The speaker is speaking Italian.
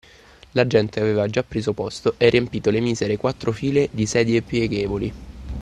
La gente aveva già preso posto e riempito le misere quattro file di sedie pieghevoli